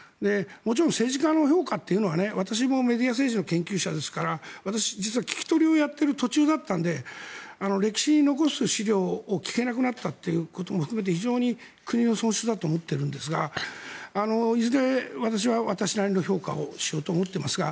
もちろん政治家の評価というのは私もメディア政治の研究者ですから私、実は聞き取りをやっている途中だったので歴史に残す資料を聞けなくなったことも含めて非常に国の損失だと思っているんですがいずれ、私は私なりの評価をしようと思っていますが。